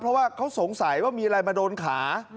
เพราะว่าเขาสงสัยว่ามีอะไรมาโดนขา